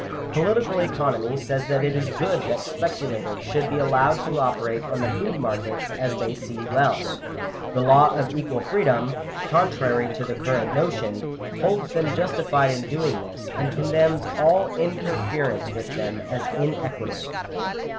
Political economy says it is good that speculators should be allowed to operate on the food markets as they see well : the law of equal freedom (oontrary to the current notion) holds them justified in doing this, and condemns all interference with them as inequitable.